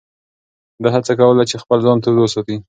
ده هڅه کوله چې خپل ځان تود وساتي.